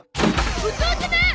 お義父様！